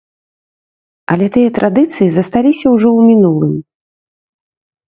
Але тыя традыцыі засталіся ўжо ў мінулым.